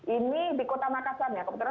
ini di kota makassarnya